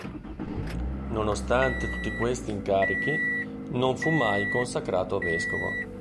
Nonostante tutti questi incarichi non fu mai consacrato vescovo.